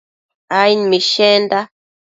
aid mishenda